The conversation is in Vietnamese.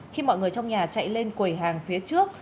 khi mọi người trong nhà chạy lên quầy hàng phía trước